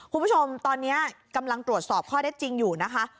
คุณผู้ชมตอนนี้กำลังตรวจสอบข้อได้จริงอยู่นะคะ